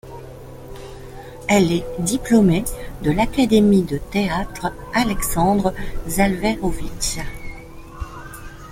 Elle est diplômée de l'Académie de théâtre Alexandre Zelwerowicz.